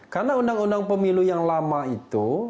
karena undang undang pemilu yang lama itu